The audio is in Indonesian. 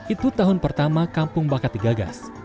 itu tahun pertama kampung bakat digagas